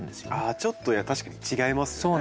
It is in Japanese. あちょっと確かに違いますよね。